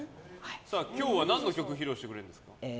今日は何の曲を披露してくれるんですか。